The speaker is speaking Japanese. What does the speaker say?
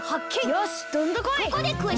よしどんとこい。